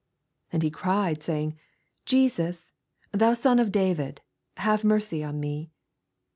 88 And he cried, saying, Jesus, ihou Son of David, have mercy on me.